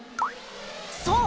そう。